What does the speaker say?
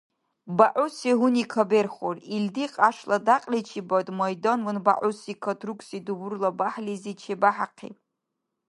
БягӀуси гьуни каберхур, илди кьяшла дякьличибад майданван бягӀуси, катругси дубурла бяхӀлизи чебяхӀяхъиб.